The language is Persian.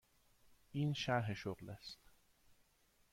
این شرح شغل است.